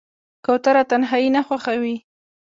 کوتره تنهایي نه خوښوي.